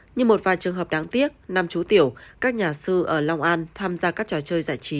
như một vài trường hợp đáng tiếc nam chú tiểu các nhà sư ở long an tham gia các trò chơi giải trí